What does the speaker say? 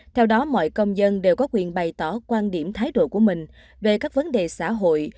theo đó mọi công dân đều có quyền bày tỏ quan điểm thái độ của mình về các vấn đề xã hội